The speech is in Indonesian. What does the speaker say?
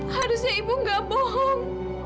harusnya ibu tidak bohong